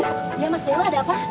iya mas dewa ada apa